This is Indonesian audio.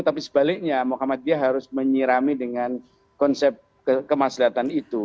tapi sebaliknya muhammadiyah harus menyirami dengan konsep kemaslahan itu